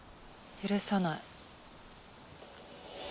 許さない